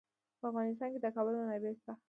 په افغانستان کې د کابل منابع شته.